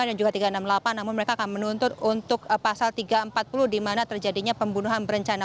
namun mereka akan menuntut untuk pasal tiga ratus empat puluh dimana terjadinya pembunuhan berencana